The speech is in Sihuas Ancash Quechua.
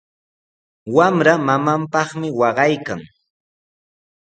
Wamra mamanpaqmi waqaykan.